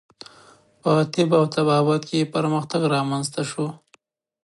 په طب او طبابت کې پرمختګ رامنځته شو.